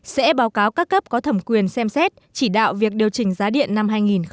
sẽ báo cáo các cấp có thẩm quyền xem xét chỉ đạo việc điều chỉnh giá điện năm hai nghìn một mươi chín